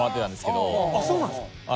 そうなんですか？